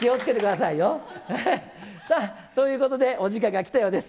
さあ、ということでお時間が来たようです。